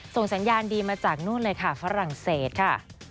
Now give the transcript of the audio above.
สัญญาณดีมาจากนู่นเลยค่ะฝรั่งเศสค่ะ